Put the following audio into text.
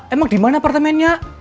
emang di mana apartemennya